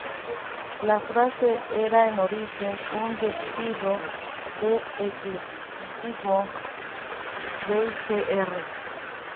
La frase era en origen un despido de eclecticismo, v.gr.